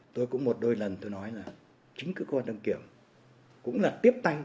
tôi cũng một đôi lần tôi nói là chính cái khâu đăng kiểm cũng là tiếp tay